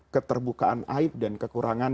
keterbukaan aib dan kekurangan